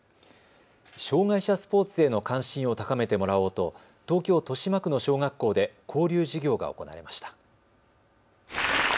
障害者スポーツへの関心を高めてもらおうと東京豊島区の小学校で交流授業が行われました。